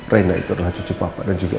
reina itu adalah cucu papa dan juga mama